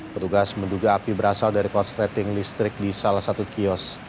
petugas menduga api berasal dari korsleting listrik di salah satu kios